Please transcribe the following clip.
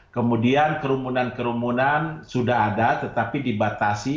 kemudian kerumunan kerumunan sudah ada tetapi dibatasi